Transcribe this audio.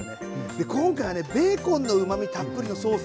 で今回はねベーコンのうまみたっぷりのソースを合わせる